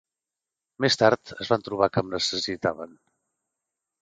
Més tard es van trobar que em necessitaven.